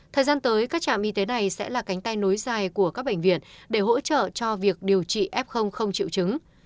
thời gian tới các trạm y tế này sẽ là cánh tay nối dài của các bệnh viện để hỗ trợ cho việc điều trị f không chịu chứng